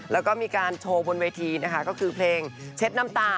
แล้วก็มีการโชว์บนเวทีนะคะก็คือเพลงเช็ดน้ำตา